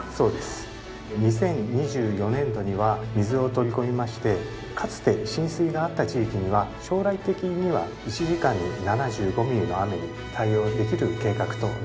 ２０２４年度には水を取り込みましてかつて浸水があった地域には将来的には１時間に７５ミリの雨に対応できる計画となってございます。